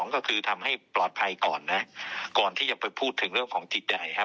ก็คือทำให้ปลอดภัยก่อนนะก่อนที่จะไปพูดถึงเรื่องของจิตใจครับ